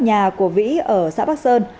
nhà của vĩ ở xã bắc sơn